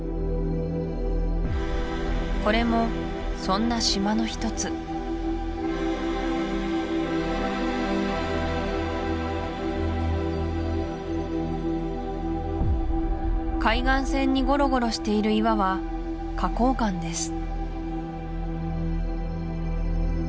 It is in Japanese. これもそんな島の一つ海岸線にゴロゴロしている岩は花崗岩です